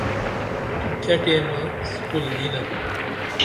تو کیہ ٹیمہ اِسکول یِنپ؟